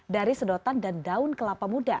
dari sedotan dan daun kelapa muda